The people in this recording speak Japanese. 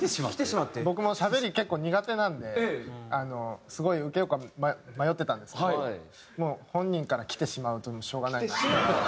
僕もしゃべり結構苦手なんであのすごい受けようか迷ってたんですけどもう本人から来てしまうとしょうがない。